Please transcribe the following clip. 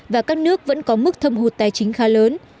và các nước vẫn có mức thâm hụt tài chính khá lớn